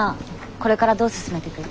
これからどう進めていく？